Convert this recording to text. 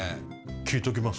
聞いときます